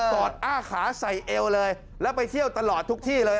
อดอ้าขาใส่เอวเลยแล้วไปเที่ยวตลอดทุกที่เลย